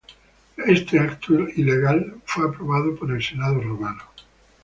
Este acto ilegal fue aprobado por el Senado romano.